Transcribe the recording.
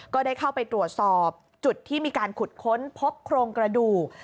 ก็ได้เข้าไปตรวจสอบจุดที่มีการขุดค้นพบโครงกระดูก